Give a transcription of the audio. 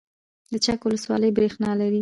د چک ولسوالۍ بریښنا لري